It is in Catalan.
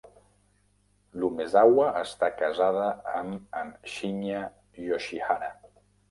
L'Umezawa està casada amb en Shinya Yoshihara.